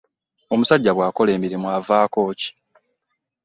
Omusajja bw'akola emirimu avaaako ki?